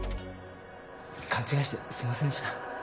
勘違いしてすいませんでした。